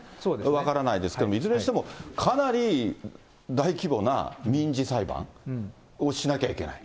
分からないですけれども、いずれにしてもかなり大規模な民事裁判をしなきゃいけない？